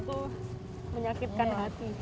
thul menyakitkan hati mbah